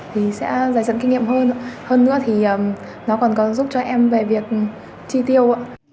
thì sẽ giải dẫn kinh nghiệm hơn nữa thì nó còn có giúp cho em về việc chi tiêu